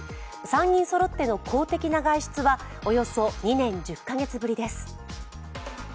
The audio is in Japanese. ３人そろっての公的な外出はおよそ２年１０か月ぶりです。